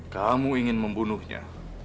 kamu ingin membunuhnya